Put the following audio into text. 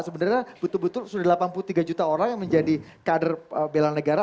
sebenarnya betul betul sudah delapan puluh tiga juta orang yang menjadi kader bela negara